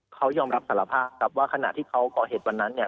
เขายอมรับสารภาพครับว่าขณะที่เขาก่อเหตุวันนั้นเนี่ย